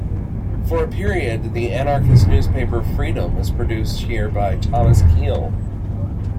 For a period the anarchist newspaper "Freedom" was produced here by Thomas Keell.